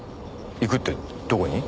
行くってどこに？